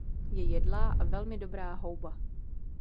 Je jedlá a velmi dobrá houba.